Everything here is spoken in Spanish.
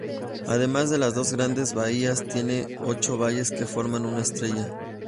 Además de las dos grandes bahías, tiene ocho valles que forman una estrella.